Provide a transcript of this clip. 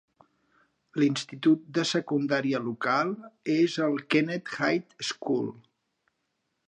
L'institut de secundària local és el Kennett High School.